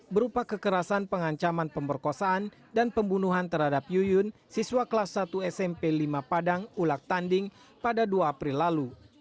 berupa kekerasan pengancaman pemperkosaan dan pembunuhan terhadap yuyun siswa kelas satu smp lima padang ulak tanding pada dua april lalu